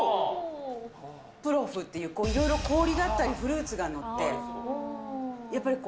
プロフっていう、いろいろ氷だったり、フルーツが載って。